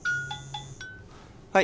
はい☎